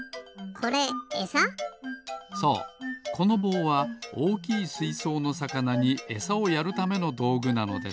このぼうはおおきいすいそうのさかなにエサをやるためのどうぐなのです。